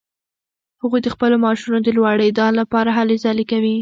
هغوی د خپلو معاشونو د لوړیدا لپاره هلې ځلې کوي.